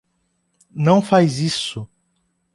Não faz isso!